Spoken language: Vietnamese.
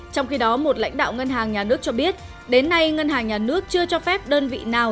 trong khi đó một lãnh đạo ngân hàng nhà nước cho biết đến nay ngân hàng nhà nước chưa cho phép đơn vị nào